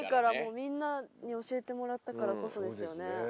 みんなに教えてもらったからこそですよね。